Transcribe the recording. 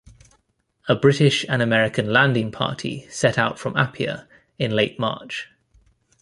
A British and American landing party set out from Apia in late March.